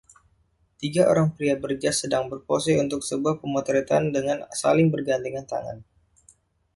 Tiga orang pria berjas sedang berpose untuk sebuah pemotretan dengan saling bergandengan tangan.